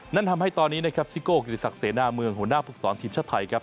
นั่นทำให้ตอนนี้ซิเกิ้ลกิจศักดิ์เสนาเมืองหัวหน้าพวกสองทีมชาติไทยครับ